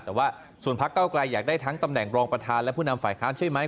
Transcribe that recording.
แต่ว่าส่วนพักเก้าไกลอยากได้ทั้งตำแหน่งรองประธานและผู้นำฝ่ายค้านใช่ไหม